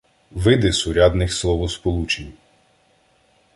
Види сурядних словосполучень